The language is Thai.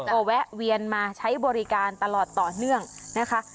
ก็แวะเวียนมาใช้บริการตลอดต่อเนื่องนะคะ